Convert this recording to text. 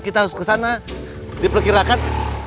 kita harus kesana diperkirakan